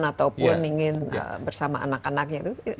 ataupun ingin bersama anak anaknya itu